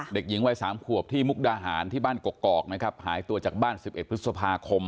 เด็กหญิงวัย๓ขวบที่มุกดาหารที่บ้านกกอกนะครับหายตัวจากบ้าน๑๑พฤษภาคม